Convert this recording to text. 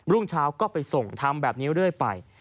รุ่งเช้าก็ไปส่งทำแบบนี้เรื่อยไป